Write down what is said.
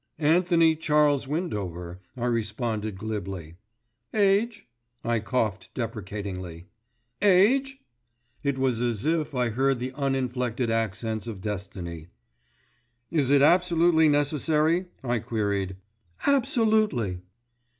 "Anthony Charles Windover," I responded glibly. "Age?" I coughed deprecatingly. "Age?" It was as if I heard the uninflected accents of Destiny. "Is it absolutely necessary?" I queried. "Absolutely!"